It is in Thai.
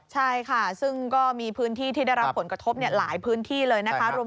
ใช่ค่ะซึ่งก็มีพื้นที่ที่ได้รับผลกระทบหลายพื้นที่เลยนะคะ